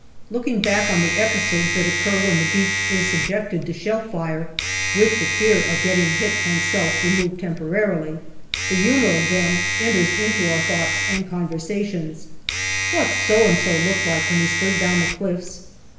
Looking back on the episodes that occur when the beach is subjected to shell fire, with the fear of getting hit one self removed temporarily, the humour of them enters into our thoughts and conversation. What So and so looked like when he slid down the cliffs.